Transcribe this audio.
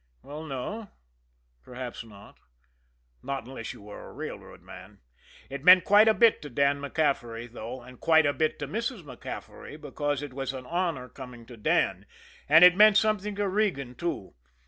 Well no, perhaps not not unless you were a railroad man. It meant quite a bit to Dan MacCaffery, though, and quite a bit to Mrs. MacCaffery because it was an honor coming to Dan; and it meant something to Regan, too.